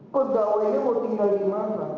pedawa ini mau tinggal dimana